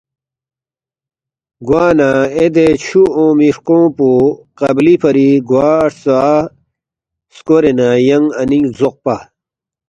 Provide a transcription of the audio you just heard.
گوانہ اے دے چُھو اونگمی ہرکونگ پو قبلی فری گواہرژا سکورے نہ ینگ اَنینگ لزوقپا